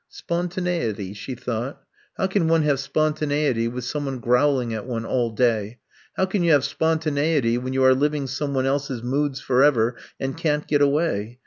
'* Spontaneity, ^' she thought. How can one have spontaneity with some one growl ing at one all day? How can you have spontaneity when you are living some one else's moods forever and can't get away!